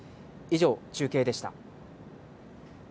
以上、中継でした。